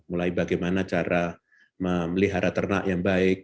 mulai bagaimana cara memelihara ternak yang baik